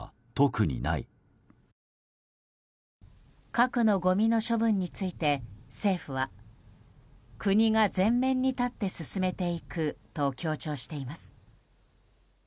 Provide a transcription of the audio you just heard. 核のごみの処分について政府は国が前面に立って進めていくと強調しています。